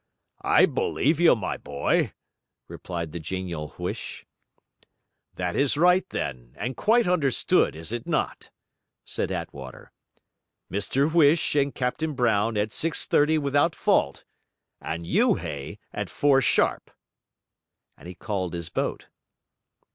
'I believe you, my boy!' replied the genial Huish. 'That is right then; and quite understood, is it not?' said Attwater. 'Mr Whish and Captain Brown at six thirty without fault and you, Hay, at four sharp.' And he called his boat.